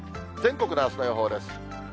全国のあすの予報です。